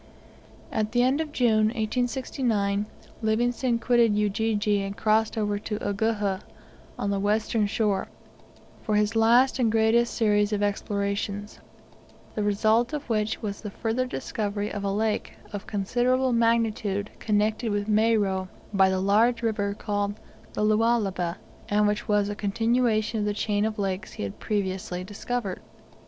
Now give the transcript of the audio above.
At the end of June, 1869, Livingstone quitted Ujiji and crossed over to Uguhha, on the western shore, for his last and greatest series of explorations; the result of which was the further discovery of a lake of considerable magnitude connected with Moero by the large river called the Lualaba, and which was a continuation of the chain of lakes he had previously discovered.